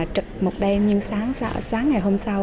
trực một đêm nhưng sáng ngày hôm sau